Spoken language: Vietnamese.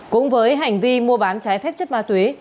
cũng với hành vi mua bán trái phép chất ma túy